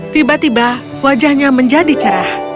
tiba tiba wajahnya menjadi cerah